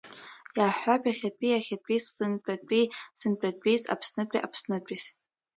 Иаҳҳәап, иахьатәи-иахьатәис, сынтәатәи-сынтәатәис, аԥснытәи-аԥснытәис.